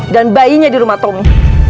dan bayinya di rumah tommy